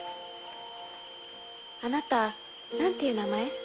あなた何ていう名前？